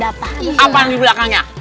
apa yang di belakangnya